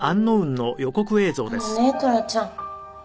「あのねトラちゃん」